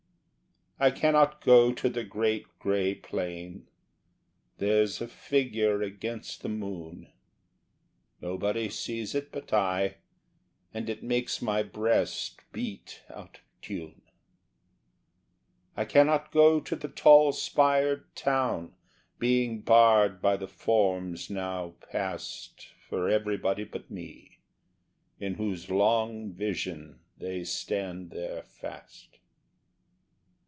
I cannot go to the great grey Plain; there's a figure against the moon, Nobody sees it but I, and it makes my breast beat out of tune; I cannot go to the tall spired town, being barred by the forms now passed For everybody but me, in whose long vision they stand there fast.